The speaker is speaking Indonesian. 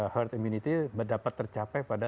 herd immunity dapat tercapai pada